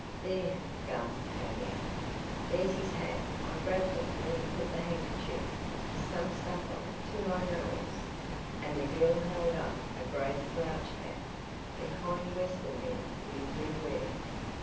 "There!" gasped Tavia. "There's his hat. I grabbed it when he put the handkerchief, with some stuff on it, to my nose," and the girl held up a gray slouch hat, the kind western men usually wear.